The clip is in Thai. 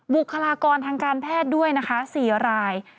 บุคลากรทางการแพทย์ด้วยนะคะ๔ราย